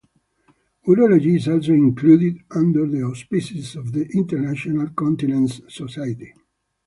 Urology is also included under the auspices of the International Continence Society.